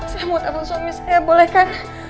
saya mau telepon suami saya boleh kan